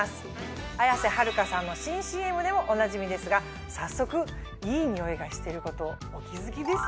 綾瀬はるかさんの新ＣＭでもおなじみですが早速いい匂いがしてることお気付きですよね？